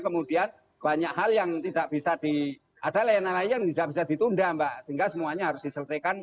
kemudian banyak hal yang tidak bisa di ada layanan layanan yang tidak bisa ditunda mbak sehingga semuanya harus diselesaikan